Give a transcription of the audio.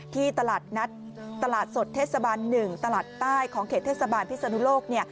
ที่ตลาดนัดตลาดสดเทศบาล๑ตลาดใต้ของเขตเทศบาลพิศนุโลก